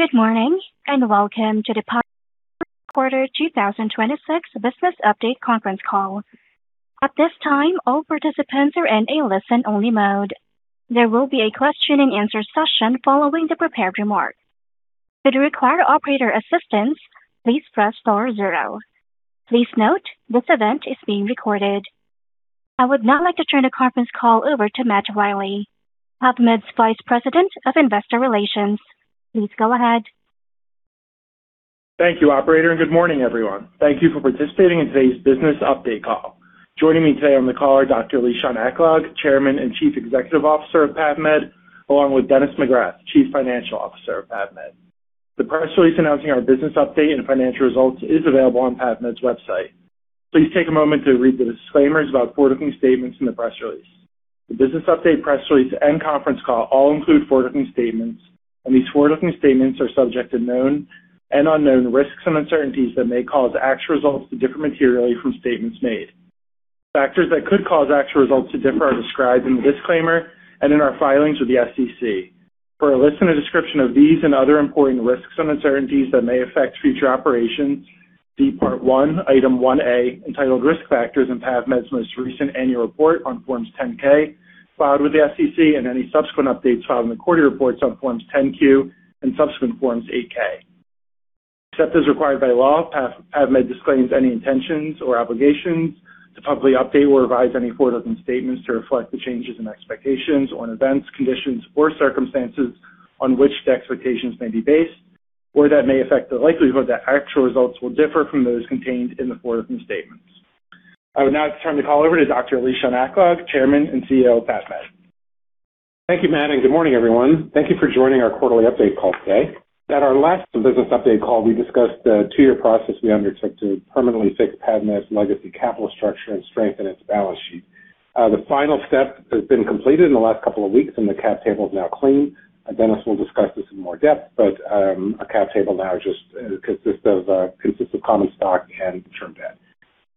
Good morning, and welcome to the PAVmed third quarter 2026 business update conference call. At this time, all participants are in a listen-only mode. There will be a question-and-answer session following the prepared remarks. Should you require operator assistance, please press star zero. Please note, this event is being recorded. I would now like to turn the conference call over to Matt Riley, PAVmed's Vice President of Investor Relations. Please go ahead. Thank you, operator, good morning, everyone. Thank you for participating in today's business update call. Joining me today on the call are Dr. Lishan Aklog, Chairman and Chief Executive Officer of PAVmed, along with Dennis McGrath, Chief Financial Officer of PAVmed. The press release announcing our business update and financial results is available on PAVmed's website. Please take a moment to read the disclaimers about forward-looking statements in the press release. The business update press release and conference call all include forward-looking statements, and these forward-looking statements are subject to known and unknown risks and uncertainties that may cause actual results to differ materially from statements made. Factors that could cause actual results to differ are described in the disclaimer and in our filings with the SEC. For a list and a description of these and other important risks and uncertainties that may affect future operations, see Part One, Item 1-A, entitled Risk Factors in PAVmed's most recent annual report on Form 10-K filed with the SEC and any subsequent updates filed in the quarterly reports on Forms 10-Q and subsequent Forms 8-K. Except as required by law, PAVmed disclaims any intentions or obligations to publicly update or revise any forward-looking statements to reflect the changes in expectations on events, conditions, or circumstances on which the expectations may be based or that may affect the likelihood that actual results will differ from those contained in the forward-looking statements. I would now like to turn the call over to Dr. Lishan Aklog, Chairman and CEO of PAVmed. Thank you, Matt. Good morning, everyone. Thank you for joining our quarterly update call today. At our last business update call, we discussed the two-year process we undertook to permanently fix PAVmed's legacy capital structure and strengthen its balance sheet. The final step has been completed in the last couple of weeks, the cap table is now clean. Dennis will discuss this in more depth, our cap table now just consists of common stock and term debt.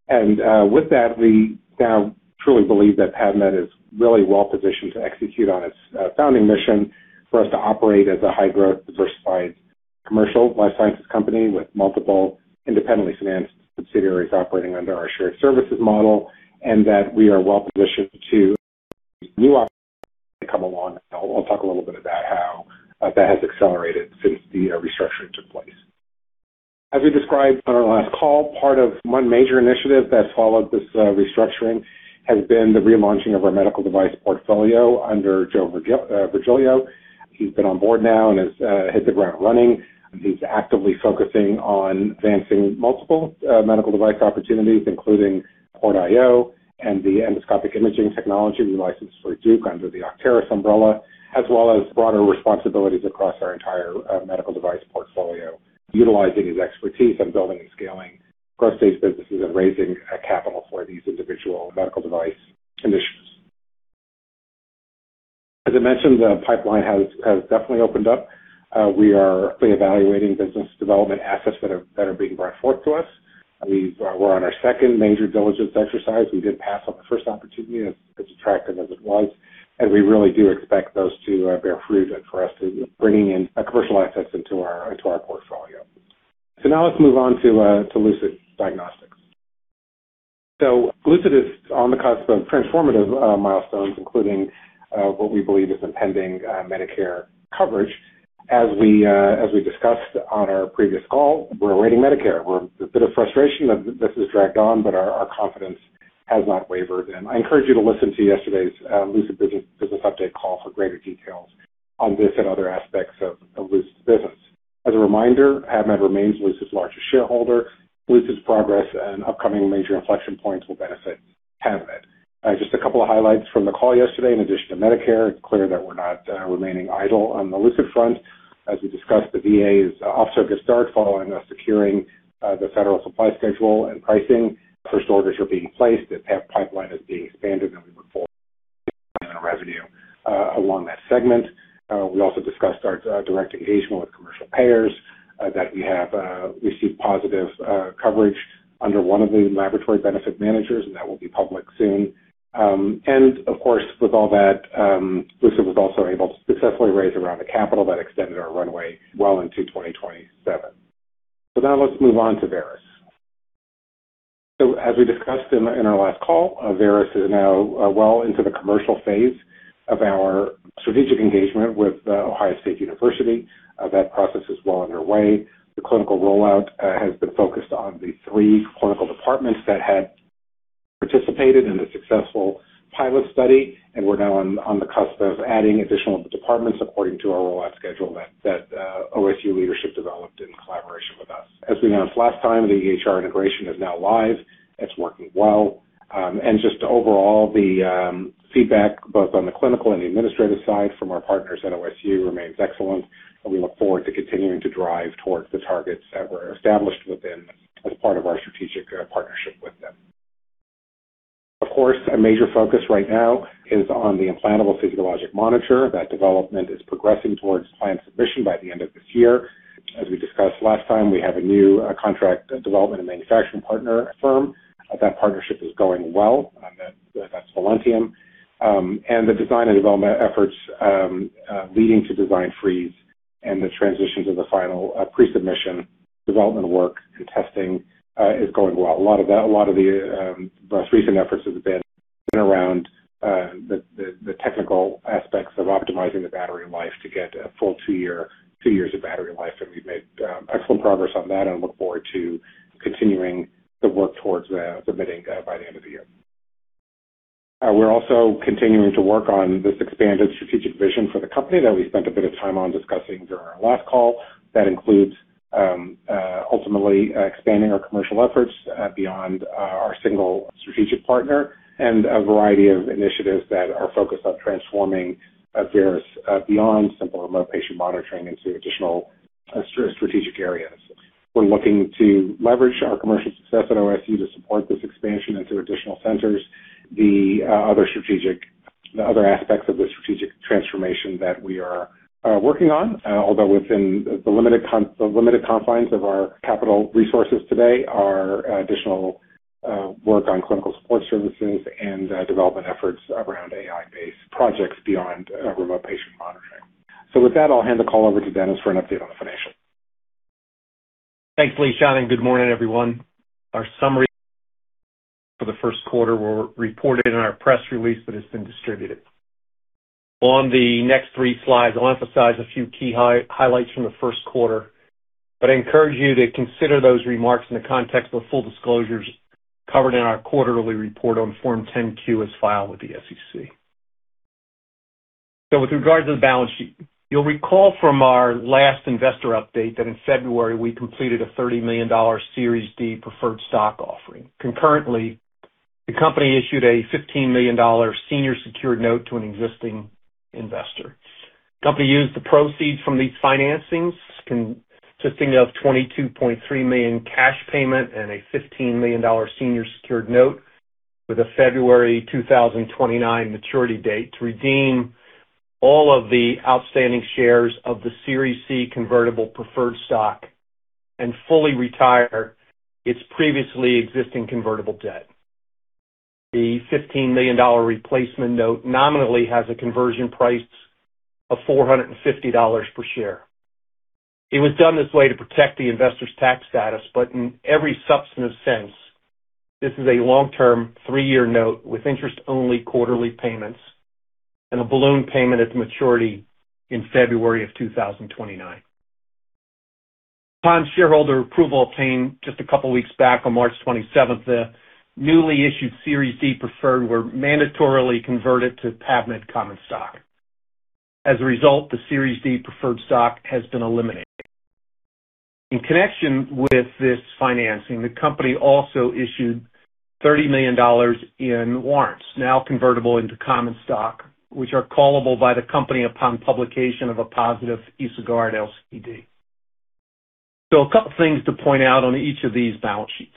With that, we now truly believe that PAVmed is really well-positioned to execute on its founding mission for us to operate as a high-growth, diversified commercial life sciences company with multiple independently financed subsidiaries operating under our shared services model, and that we are well-positioned to new ops that come along. I'll talk a little bit about how that has accelerated since the restructuring took place. As we described on our last call, part of one major initiative that followed this restructuring has been the relaunching of our medical device portfolio under Joe Virgilio. He's been on board now and has hit the ground running. He's actively focusing on advancing multiple medical device opportunities, including PortIO and the endoscopic imaging technology we licensed for Duke under the Octeris umbrella, as well as broader responsibilities across our entire medical device portfolio, utilizing his expertise on building and scaling growth stage businesses and raising capital for these individual medical device initiatives. As I mentioned, the pipeline has definitely opened up. We are evaluating business development assets that are being brought forth to us. We're on our second major diligence exercise. We did pass on the first opportunity as attractive as it was, and we really do expect those to bear fruit and for us to bringing in commercial assets into our portfolio. Now let's move on to Lucid Diagnostics. Lucid is on the cusp of transformative milestones, including what we believe is impending Medicare coverage. As we discussed on our previous call, we're awaiting Medicare. We're a bit of frustration that this has dragged on, but our confidence has not wavered. I encourage you to listen to yesterday's Lucid business update call for greater details on this and other aspects of Lucid's business. As a reminder, PAVmed remains Lucid's largest shareholder. Lucid's progress and upcoming major inflection points will benefit PAVmed. Just a couple of highlights from the call yesterday. In addition to Medicare, it's clear that we're not remaining idle on the Lucid front. As we discussed, the VA is off to a good start following us securing the Federal Supply Schedule and pricing. First orders are being placed. The path pipeline is being expanded, and we look forward to revenue along that segment. We also discussed our direct engagement with commercial payers that we have received positive coverage under one of the laboratory benefit managers, and that will be public soon. Of course, with all that, Lucid was also able to successfully raise a round of capital that extended our runway well into 2027. Now let's move on to Veris. As we discussed in our last call, Veris is now well into the commercial phase of our strategic engagement with The Ohio State University. That process is well underway. The clinical rollout has been focused on the three clinical departments that had participated in the successful pilot study, and we're now on the cusp of adding additional departments according to our rollout schedule that OSU leadership developed in collaboration with us. As we announced last time, the EHR integration is now live. It's working well. And just overall, the feedback both on the clinical and the administrative side from our partners at OSU remains excellent, and we look forward to continuing to drive towards the targets that were established within as part of our strategic partnership with them. Of course, a major focus right now is on the implantable physiological monitor. That development is progressing towards planned submission by the end of this year. As we discussed last time, we have a new, contract development and manufacturing partner firm. That partnership is going well. Velentium. The design and development efforts leading to design freeze and the transition to the final, pre-submission development work and testing is going well. A lot of the most recent efforts have been around the technical aspects of optimizing the battery life to get a full two year, two years of battery life. We've made excellent progress on that and look forward to continuing the work towards submitting that by the end of the year. We're also continuing to work on this expanded strategic vision for the company that we spent a bit of time on discussing during our last call. That includes ultimately expanding our commercial efforts beyond our single strategic partner and a variety of initiatives that are focused on transforming Veris Health beyond simple remote patient monitoring into additional strategic areas. We're looking to leverage our commercial success at OSU to support this expansion into additional centers. The other aspects of the strategic transformation that we are working on, although within the limited confines of our capital resources today, are additional work on clinical support services and development efforts around AI-based projects beyond remote patient monitoring. With that, I'll hand the call over to Dennis for an update on the financials. Thanks, Lishan. Good morning, everyone. Our summary for the first quarter were reported in our press release that has been distributed. On the next three slides, I'll emphasize a few key highlights from the first quarter, but I encourage you to consider those remarks in the context of full disclosures covered in our quarterly report on Form 10-Q as filed with the SEC. With regards to the balance sheet, you'll recall from our last investor update that in February we completed a $30 million Series D preferred stock offering. Concurrently, the company issued a $15 million senior secured note to an existing investor. Company used the proceeds from these financings consisting of $22.3 million cash payment and a $15 million senior secured note with a February 2029 maturity date to redeem all of the outstanding shares of the Series C convertible preferred stock and fully retire its previously existing convertible debt. The $15 million replacement note nominally has a conversion price of $450 per share. It was done this way to protect the investors' tax status, but in every substantive sense, this is a long-term three-year note with interest-only quarterly payments and a balloon payment at maturity in February 2029. Upon shareholder approval obtained just a couple weeks back on March 27th, the newly issued Series D preferred were mandatorily converted to PAVmed common stock. As a result, the Series D preferred stock has been eliminated. In connection with this financing, the company also issued $30 million in warrants, now convertible into common stock, which are callable by the company upon publication of a positive EsoGuard LCD. A couple things to point out on each of these balance sheets.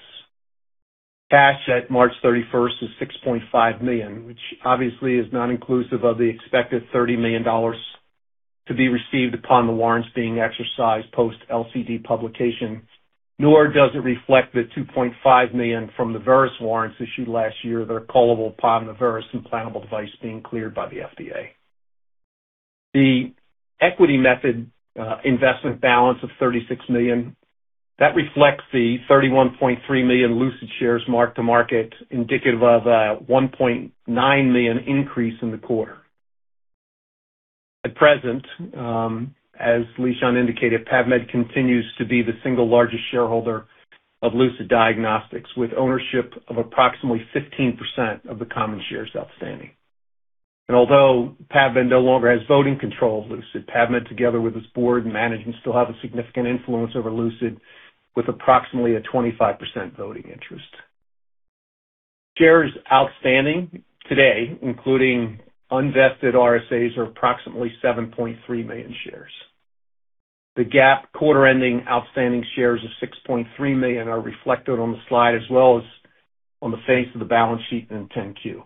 Cash at March 31st is $6.5 million, which obviously is not inclusive of the expected $30 million to be received upon the warrants being exercised post-LCD publication, nor does it reflect the $2.5 million from the Veris warrants issued last year that are callable upon the Veris implantable physiological monitor being cleared by the FDA. The equity method investment balance of $36 million, that reflects the $31.3 million Lucid shares mark-to-market indicative of a $1.9 million increase in the quarter. At present, as Lishan indicated, PAVmed continues to be the single largest shareholder of Lucid Diagnostics, with ownership of approximately 15% of the common shares outstanding. Although PAVmed no longer has voting control of Lucid, PAVmed, together with its board and management, still have a significant influence over Lucid with approximately a 25% voting interest. Shares outstanding today, including unvested RSAs, are approximately 7.3 million shares. The GAAP quarter-ending outstanding shares of 6.3 million are reflected on the slide as well as on the face of the balance sheet in the 10-Q.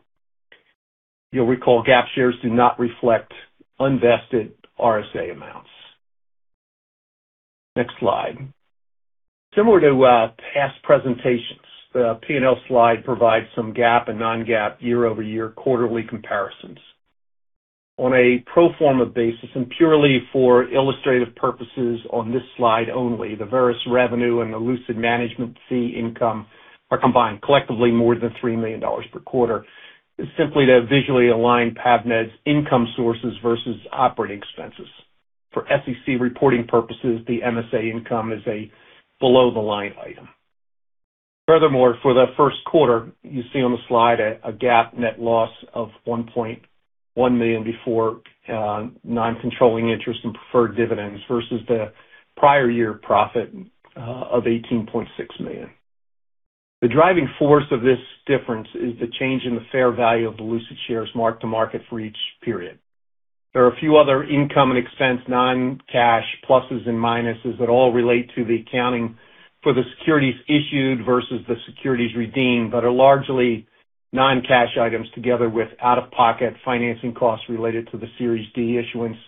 You'll recall GAAP shares do not reflect unvested RSA amounts. Next slide. Similar to past presentations, the P&L slide provides some GAAP and non-GAAP year-over-year quarterly comparisons. On a pro forma basis and purely for illustrative purposes on this slide only, the Veris revenue and the Lucid management fee income are combined collectively more than $3 million per quarter simply to visually align PAVmed's income sources versus operating expenses. For SEC reporting purposes, the MSA income is a below-the-line item. Furthermore, for the first quarter, you see on the slide a GAAP net loss of $1.1 million before non-controlling interest and preferred dividends versus the prior year profit of $18.6 million. The driving force of this difference is the change in the fair value of the Lucid shares mark-to-market for each period. There are a few other income and expense non-cash pluses and minuses that all relate to the accounting for the securities issued versus the securities redeemed, but are largely non-cash items together with out-of-pocket financing costs related to the Series D issuance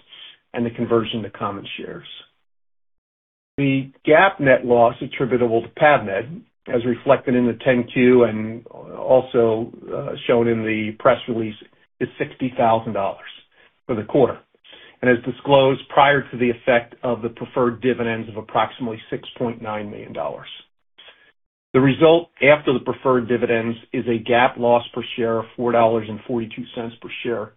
and the conversion to common shares. The GAAP net loss attributable to PAVmed, as reflected in the 10-Q and also shown in the press release, is $60,000 for the quarter and as disclosed prior to the effect of the preferred dividends of approximately $6.9 million. The result after the preferred dividends is a GAAP loss per share of $4.42 per share.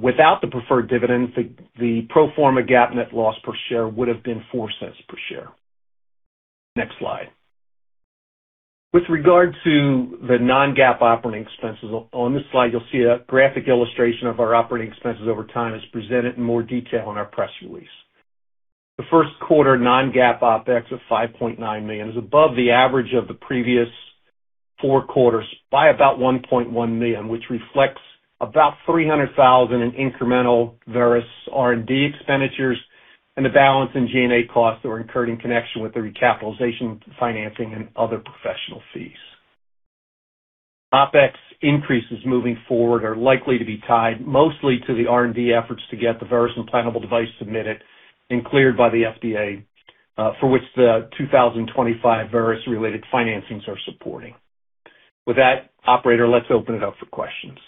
Without the preferred dividends, the pro forma GAAP net loss per share would have been $0.04 per share. Next slide. With regard to the non-GAAP operating expenses, on this slide, you'll see a graphic illustration of our operating expenses over time as presented in more detail in our press release. The first quarter non-GAAP OpEx of $5.9 million is above the average of the previous four quarters by about $1.1 million, which reflects about $300,000 in incremental Veris R&D expenditures and the balance in G&A costs that were incurred in connection with the recapitalization, financing, and other professional fees. OpEx increases moving forward are likely to be tied mostly to the R&D efforts to get the Veris implantable device submitted and cleared by the FDA, for which the 2025 Veris related financings are supporting. With that, operator, let's open it up for questions.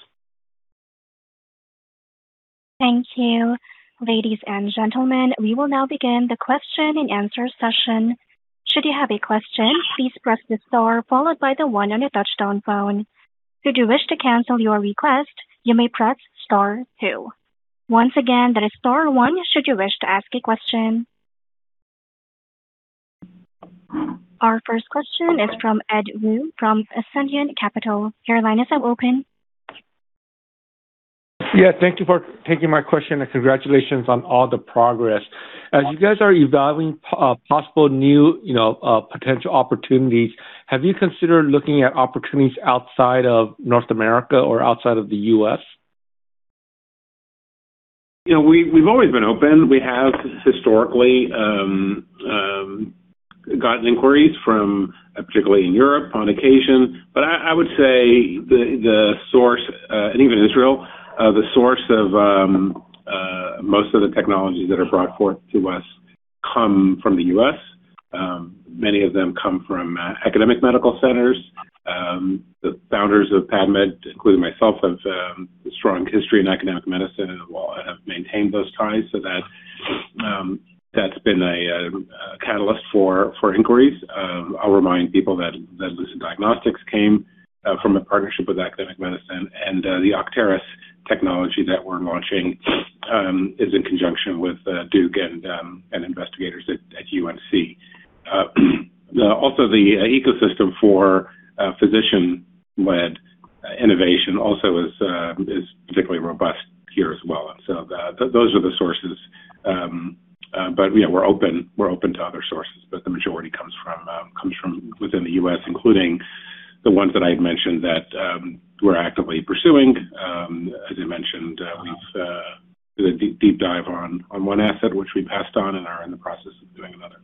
Thank you. Ladies and gentlemen, we will now begin the question-and-answer session. Should you have a question, please press star followed by the one on your touch-tone phone. Should you wish to cancel your request, you may press star two. Once again, that is star one should you wish to ask a question. Our first question is from Edward Woo from Ascendiant Capital Markets. Your line is now open. Yeah, thank you for taking my question, and congratulations on all the progress. As you guys are evaluating possible new, you know, potential opportunities, have you considered looking at opportunities outside of North America or outside of the U.S.? You know, we've always been open. We have historically gotten inquiries from, particularly in Europe on occasion. But I would say, and even Israel, the source of most of the technologies that are brought forth to us come from the U.S. Many of them come from academic medical centers. The founders of PAVmed, including myself, have a strong history in academic medicine and have maintained those ties so that that's been a catalyst for inquiries. I'll remind people that Lucid Diagnostics came from a partnership with academic medicine and the Octeris technology that we're launching is in conjunction with Duke and investigators at UNC. Also the ecosystem for physician-led innovation also is particularly robust here as well. Those are the sources. You know, we're open to other sources, but the majority comes from within the U.S., including the ones that I've mentioned that we're actively pursuing. As I mentioned, we've did a deep dive on one asset, which we passed on and are in the process of doing another.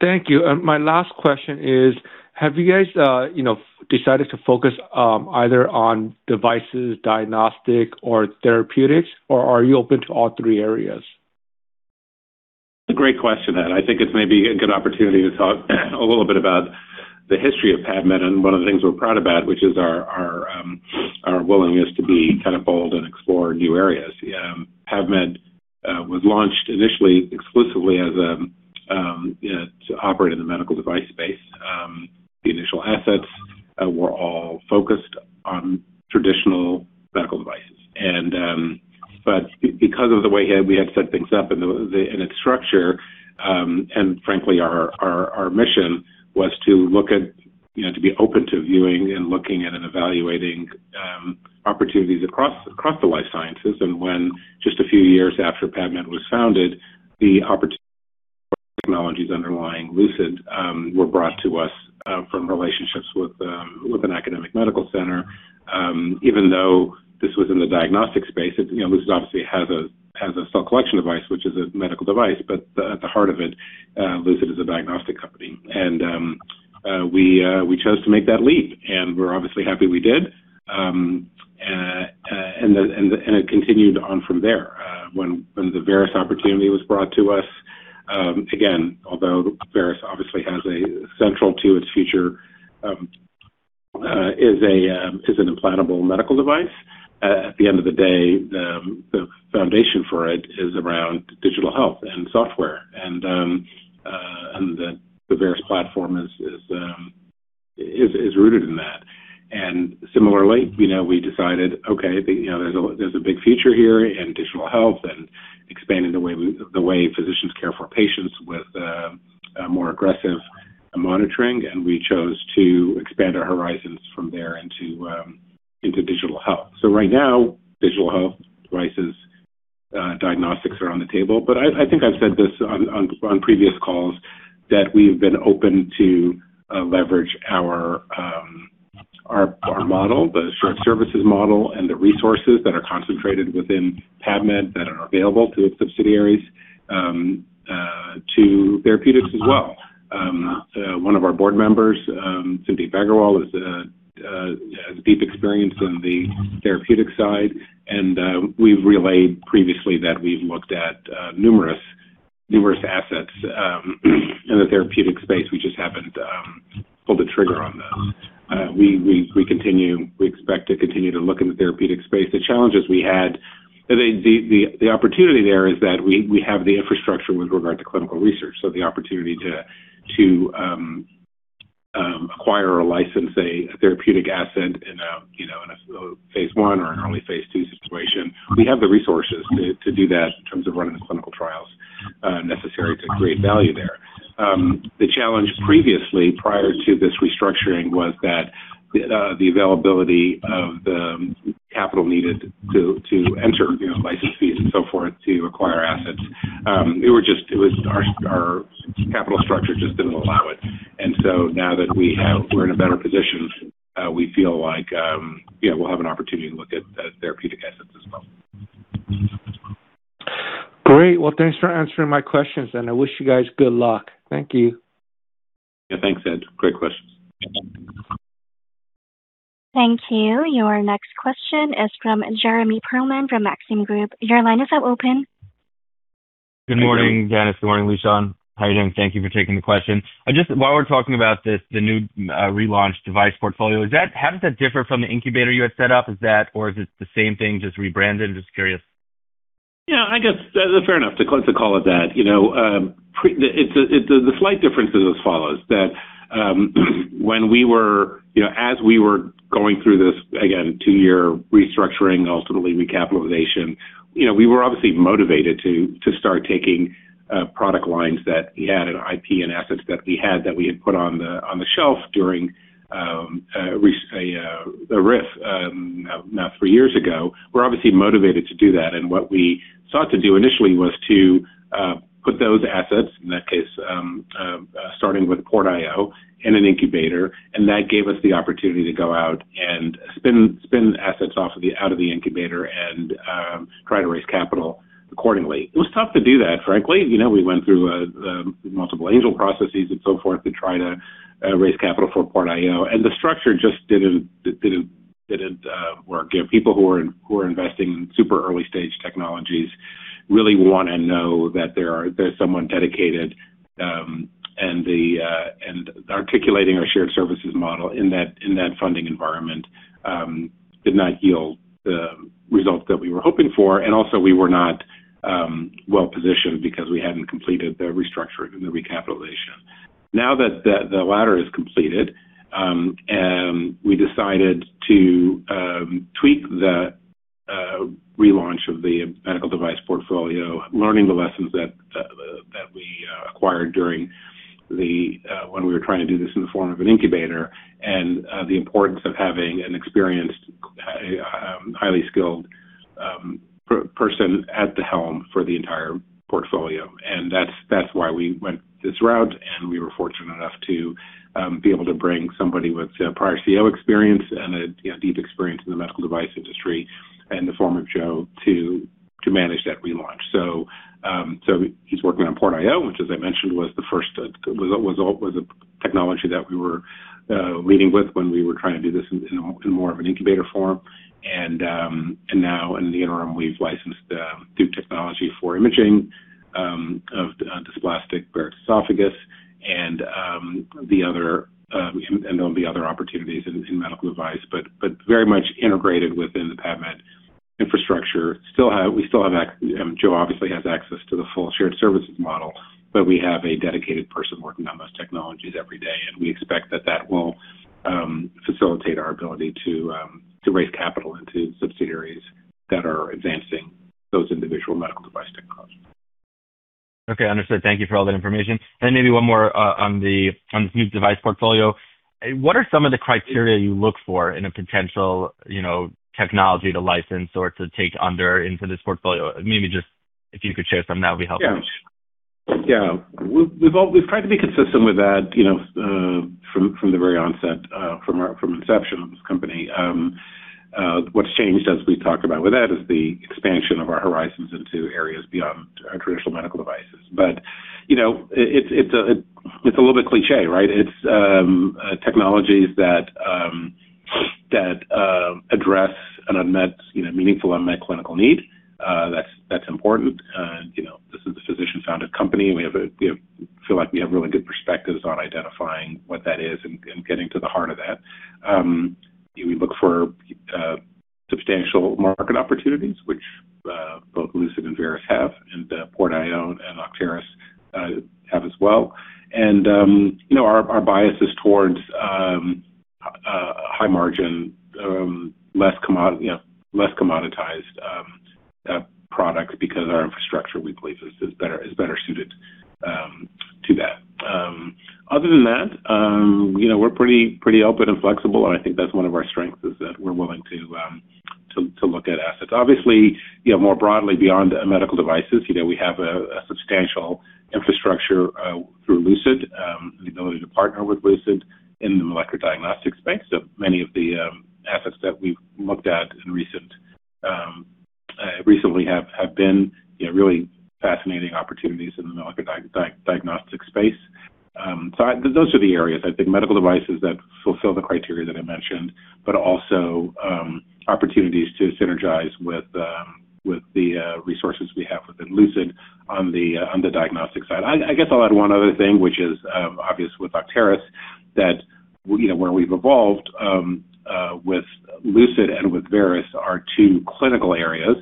Thank you. My last question is, have you guys, you know, decided to focus, either on devices, diagnostics or therapeutics, or are you open to all three areas? It's a great question, Ed. I think it's maybe a good opportunity to talk a little bit about the history of PAVmed and one of the things we're proud about, which is our willingness to be kind of bold and explore new areas. PAVmed was launched initially exclusively as a to operate in the medical device space. The initial assets were all focused on traditional medical devices. Because of the way we had set things up in the in its structure, and frankly, our mission was to look at, you know, to be open to viewing and looking at and evaluating opportunities across the life sciences. When just a few years after PAVmed was founded, the opportunity technologies underlying Lucid were brought to us from relationships with an academic medical center. Even though this was in the diagnostic space, you know, Lucid obviously has a cell collection device, which is a medical device, but at the heart of it, Lucid is a diagnostic company. We chose to make that leap, and we're obviously happy we did. It continued on from there. When the Veris opportunity was brought to us, again, although Veris obviously has central to its future, is an implantable medical device, at the end of the day, the foundation for it is around digital health and software. The Veris platform is rooted in that. Similarly, you know, we decided, okay, you know, there's a big future here in digital health and expanding the way physicians care for patients with a more aggressive monitoring. We chose to expand our horizons from there into digital health. Right now, digital health devices, diagnostics are on the table. I think I've said this on previous calls that we have been open to leverage our model, the shared services model and the resources that are concentrated within PAVmed that are available to its subsidiaries to therapeutics as well. One of our board members, [Sundeep Agrawal, has deep experience on the therapeutic side. We've relayed previously that we've looked at numerous assets in the therapeutic space. We just haven't pulled the trigger on them. We expect to continue to look in the therapeutic space. The challenges we had. The opportunity there is that we have the infrastructure with regard to clinical research, so the opportunity to acquire or license a therapeutic asset in a, you know, in a phase I or an early phase II situation. We have the resources to do that in terms of running the clinical trials necessary to create value there. The challenge previously, prior to this restructuring was that the availability of the capital needed to enter, you know, license fees and so forth to acquire assets. Our capital structure just didn't allow it. Now that we're in a better position, we feel like, you know, we'll have an opportunity to look at therapeutic assets as well. Great. Well, thanks for answering my questions, and I wish you guys good luck. Thank you. Yeah, thanks, Ed. Great questions. Thank you. Your next question is from Jeremy Pearlman from Maxim Group. Your line is now open. Good morning, Dennis. Good morning, Lishan. How you doing? Thank you for taking the question. While we're talking about this, the new relaunched device portfolio, how does that differ from the incubator you had set up? Is that or is it the same thing, just rebranded? Just curious. Yeah, I guess fair enough to call it that. You know, The, it's a The slight difference is as follows, that, when we were, you know, as we were going through this, again, twoyear restructuring, ultimately recapitalization, you know, we were obviously motivated to start taking product lines that we had an IP and assets that we had that we had put on the, on the shelf during a [RIF], now three years ago. We're obviously motivated to do that, and what we sought to do initially was to put those assets, in that case, starting with PortIO in an incubator, and that gave us the opportunity to go out and spin assets off of the, out of the incubator and try to raise capital accordingly. It was tough to do that, frankly. You know, we went through multiple angel processes and so forth to try to raise capital for PortIO. The structure just didn't work. You know, people who are, who are investing in super early-stage technologies really wanna know that there's someone dedicated, and articulating our shared services model in that, in that funding environment, did not yield the results that we were hoping for. Also we were not well-positioned because we hadn't completed the restructuring and the recapitalization. Now that the latter is completed, we decided to tweak the relaunch of the medical device portfolio, learning the lessons that we acquired during the when we were trying to do this in the form of an incubator and the importance of having an experienced, highly skilled, per-person at the helm for the entire portfolio. That's why we went this route, and we were fortunate enough to be able to bring somebody with prior CEO experience and a, you know, deep experience in the medical device industry in the form of Joe to manage that relaunch. He's working on PortIO, which as I mentioned, was the first technology that we were leading with when we were trying to do this in more of an incubator form. Now in the interim, we've licensed Duke Technology for imaging of dysplastic Barrett's esophagus and there'll be other opportunities in medical device, but very much integrated within the PAVmed infrastructure. Joe obviously has access to the full shared services model, but we have a dedicated person working on those technologies every day, and we expect that that will facilitate our ability to raise capital into subsidiaries that are advancing those individual medical device technologies. Okay. Understood. Thank you for all that information. Maybe one more on this new device portfolio. What are some of the criteria you look for in a potential, you know, technology to license or to take under into this portfolio? Maybe just if you could share some, that would be helpful. Yeah. Yeah. We've tried to be consistent with that, you know, from the very onset, from inception of this company. What's changed as we talked about with that is the expansion of our horizons into areas beyond our traditional medical devices. You know, it's a little bit cliché, right? It's technologies that address an unmet, you know, meaningful unmet clinical need. That's important. You know, this is a physician-founded company, and we feel like we have really good perspectives on identifying what that is and getting to the heart of that. We look for substantial market opportunities, which both Lucid and Veris have, and PortIO and Octeris have as well. You know, our bias is towards a high margin, less commoditized product because our infrastructure we believe is better suited to that. Other than that, you know, we're pretty open and flexible, and I think that's one of our strengths is that we're willing to look at assets. Obviously, you know, more broadly beyond medical devices, you know, we have a substantial infrastructure through Lucid, the ability to partner with Lucid in the molecular diagnostics space. Many of the assets that we've looked at in recent recently have been, you know, really fascinating opportunities in the molecular diagnostic space. Those are the areas. I think medical devices that fulfill the criteria that I mentioned, but also opportunities to synergize with the resources we have within Lucid on the diagnostic side. I guess I'll add one other thing, which is obvious with Octeris, that, you know, where we've evolved with Lucid and with Veris, our two clinical areas,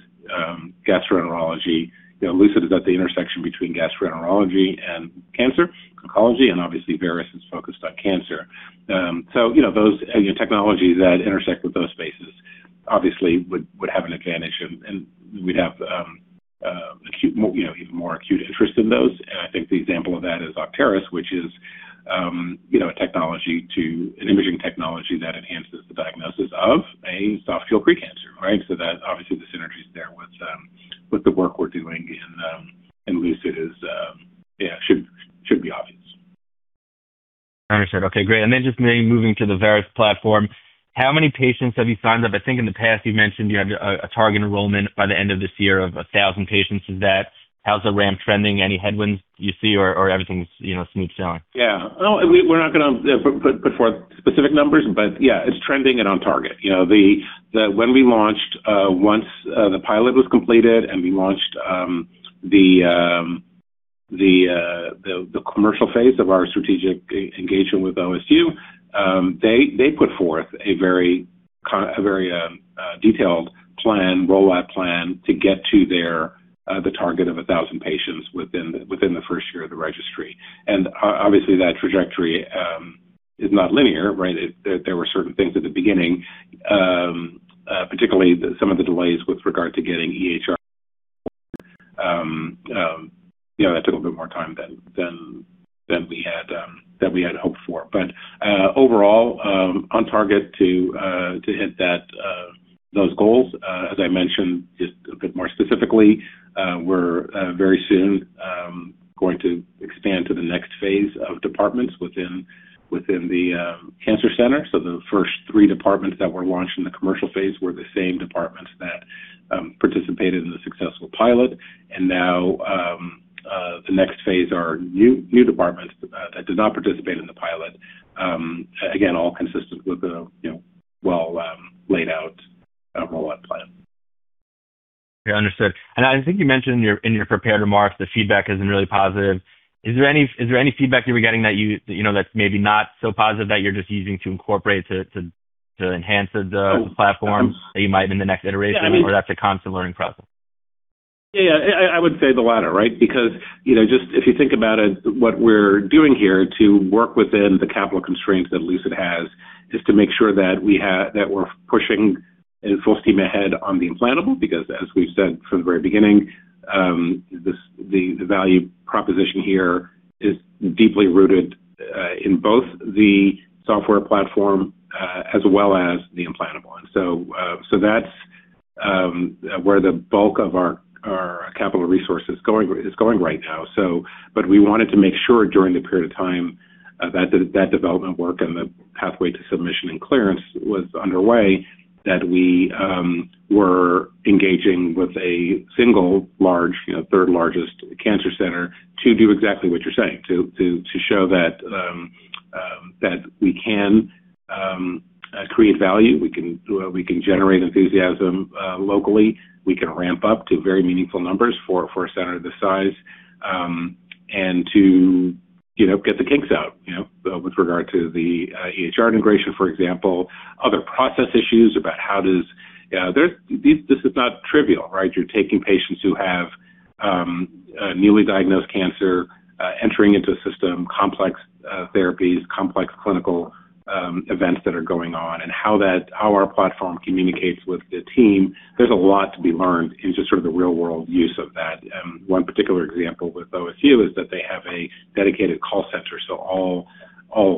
gastroenterology. You know, Lucid is at the intersection between gastroenterology and cancer, oncology, and obviously Veris is focused on cancer. You know, those, you know, technologies that intersect with those spaces obviously would have an advantage and we'd have even more acute interest in those. I think the example of that is Octeris, which is, you know, an imaging technology that enhances the diagnosis of a soft tissue pre-cancer, right? That obviously the synergies there with the work we're doing in Lucid should be obvious. Understood. Okay, great. Just maybe moving to the Veris platform, how many patients have you signed up? I think in the past you mentioned you had a target enrollment by the end of this year of 1,000 patients. How's the ramp trending? Any headwinds you see or everything's, you know, smooth sailing? Yeah. No, we're not gonna put forth specific numbers, but yeah, it's trending and on target. You know, the when we launched, once the pilot was completed and we launched, the commercial phase of our strategic e-engagement with OSU, they put forth a very detailed plan, rollout plan to get to their the target of 1,000 patients within the 1st year of the registry. Obviously, that trajectory is not linear, right? There were certain things at the beginning, particularly some of the delays with regard to getting EHR, you know, that took a bit more time than we had hoped for. Overall, on target to hit that those goals. As I mentioned, just a bit more specifically, we're very soon going to expand to the next phase of departments within the Cancer Center. The first three departments that were launched in the commercial phase were the same departments that participated in the successful pilot. Now, the next phase are new departments that did not participate in the pilot. Again, all consistent with the, you know, well, laid out rollout plan. Yeah, understood. I think you mentioned in your prepared remarks, the feedback has been really positive. Is there any feedback you were getting that you know, that's maybe not so positive that you're just using to incorporate to enhance the platform that you might in the next iteration? Yeah, I mean- That's a constant learning process? Yeah, I would say the latter, right? You know, just if you think about it, what we're doing here to work within the capital constraints that Lucid has is to make sure that we're pushing in full steam ahead on the implantable because as we've said from the very beginning, the value proposition here is deeply rooted in both the software platform as well as the implantable. That's where the bulk of our capital resources is going right now. We wanted to make sure during the period of time, that development work and the pathway to submission and clearance was underway, that we were engaging with a single large, you know, third largest cancer center to do exactly what you're saying, to show that we can create value, we can generate enthusiasm, locally, we can ramp up to very meaningful numbers for a center of this size, and to, you know, get the kinks out, you know, with regard to the EHR integration, for example. Other process issues about how does. This is not trivial, right? You're taking patients who have, newly diagnosed cancer, entering into a system, complex therapies, complex clinical events that are going on, and how our platform communicates with the team. There's a lot to be learned in just sort of the real-world use of that. One particular example with OSU is that they have a dedicated call center. All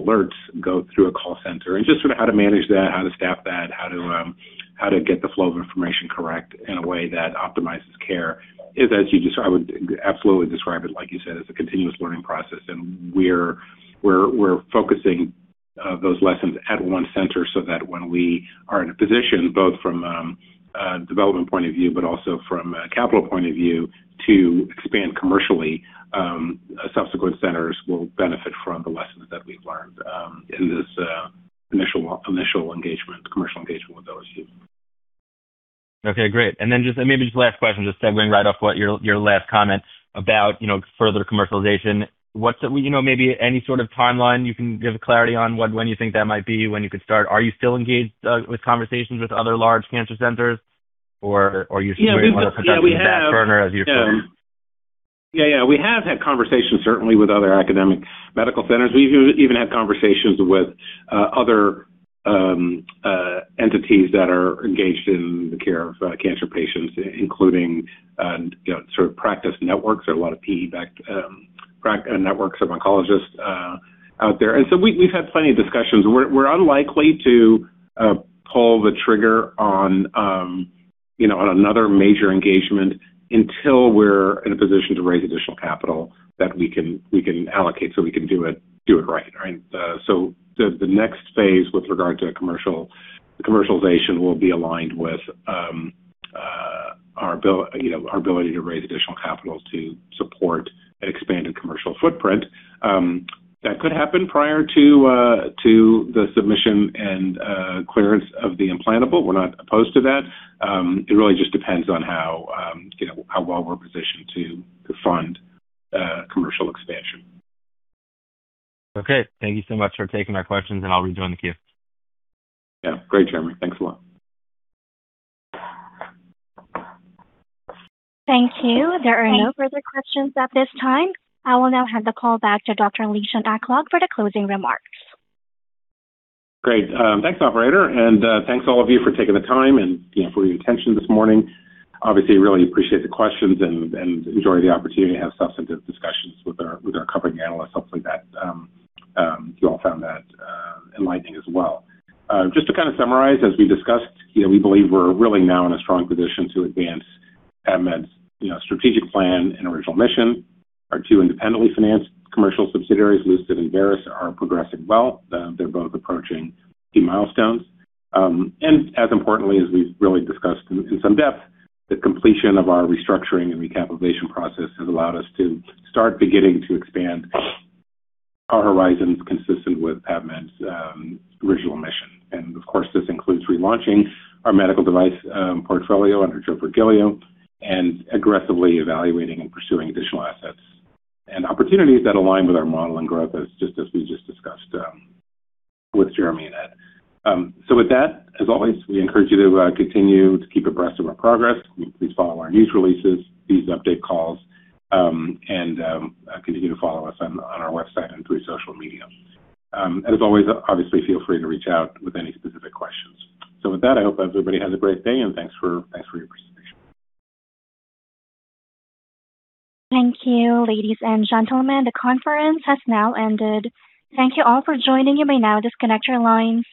alerts go through a call center. Just sort of how to manage that, how to staff that, how to get the flow of information correct in a way that optimizes care is, as you I would absolutely describe it like you said, as a continuous learning process. We're focusing those lessons at one center so that when we are in a position, both from a development point of view, but also from a capital point of view to expand commercially, subsequent centers will benefit from the lessons that we've learned in this initial engagement, commercial engagement with OSU. Okay, great. Then just maybe just the last question, just segueing right off what your last comment about, you know, further commercialization. What's, you know, maybe any sort of timeline you can give clarity on when you think that might be, when you could start? Are you still engaged with conversations with other large cancer centers or, are you sort of? Yeah, we've been- Potentially in that corner, as you're saying? Yeah. Yeah, yeah. We have had conversations certainly with other academic medical centers. We've even had conversations with other entities that are engaged in the care of cancer patients, including, you know, sort of practice networks. There are a lot of PE-backed networks of oncologists out there. We've had plenty of discussions. We're unlikely to pull the trigger on, you know, on another major engagement until we're in a position to raise additional capital that we can allocate so we can do it right? The next phase with regard to commercialization will be aligned with our ability to raise additional capital to support an expanded commercial footprint. That could happen prior to the submission and clearance of the implantable. We're not opposed to that. It really just depends on how, you know, how well we're positioned to fund commercial expansion. Okay. Thank you so much for taking my questions, and I'll rejoin the queue. Yeah. Great, Jeremy. Thanks a lot. Thank you. There are no further questions at this time. I will now hand the call back to Dr. Lishan Aklog for the closing remarks. Great. Thanks, operator, and thanks all of you for taking the time for your attention this morning. Obviously, really appreciate the questions and enjoy the opportunity to have substantive discussions with our covering analysts. Hopefully that you all found that enlightening as well. Just to kind of summarize, as we discussed, we believe we're really now in a strong position to advance PAVmed's strategic plan and original mission. Our two independently financed commercial subsidiaries, Lucid and Veris, are progressing well. They're both approaching key milestones. As importantly, as we've really discussed in some depth, the completion of our restructuring and recapitalization process has allowed us to start beginning to expand our horizons consistent with PAVmed's original mission. Of course, this includes relaunching our medical device portfolio under Joe Virgilio and aggressively evaluating and pursuing additional assets and opportunities that align with our model and growth as just as we just discussed with Jeremy and Ed. With that, as always, we encourage you to continue to keep abreast of our progress. Please follow our news releases, these update calls, and continue to follow us on our website and through social media. As always, obviously, feel free to reach out with any specific questions. With that, I hope everybody has a great day, and thanks for your participation. Thank you, ladies and gentlemen, the conference has now ended. Thank you all for joining. You may now disconnect your lines.